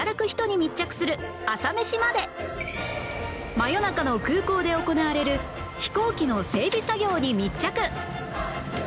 真夜中の空港で行われる飛行機の整備作業に密着！